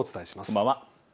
こんばんは。